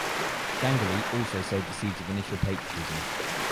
Ganguly also sowed the seeds of initial patriotism.